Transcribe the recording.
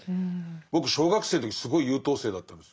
僕小学生の時すごい優等生だったんです。